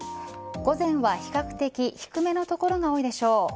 午前は比較的低めの所が多いでしょう。